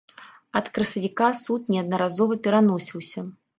Ад красавіка суд неаднаразова пераносіўся.